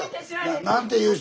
何て言う人？